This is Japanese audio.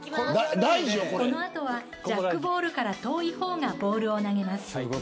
この後はジャックボールから遠い方がボールを投げます。